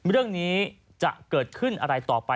เรื่องนี้จะเกิดขึ้นอะไรต่อไป